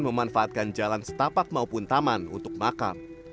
memanfaatkan jalan setapak maupun taman untuk makam